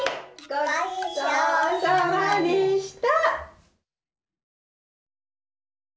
ごちそうさまでした。